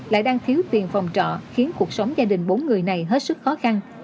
lại đang thiếu tiền phòng trọ khiến cuộc sống gia đình bốn người này hết sức khó khăn